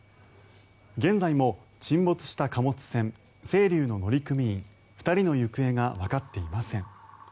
現在も沈没した貨物船「せいりゅう」の乗組員２人の行方がわかっていません。